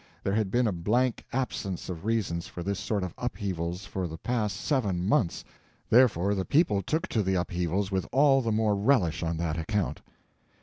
There had been a blank absence of reasons for this sort of upheavals for the past seven months, therefore the people too to the upheavals with all the more relish on that account.